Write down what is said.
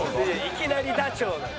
いきなりダチョウ。